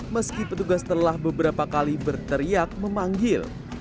meski petugas telah beberapa kali berteriak memanggil